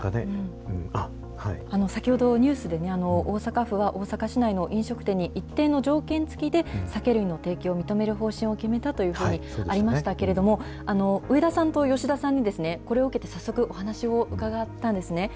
先ほどニュースで、大阪府は、大阪市内の飲食店に一定の条件付きで酒類の提供を認める方針を決めたというふうにありましたけれども、上田さんと吉田さんに、これを受けて早速、お話を伺ったんですね。